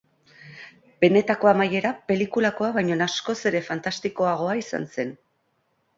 Benetako amaiera pelikulakoa baino askoz ere fantastikoagoa izan zen.